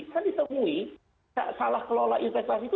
kan ditemui salah kelola investasi itu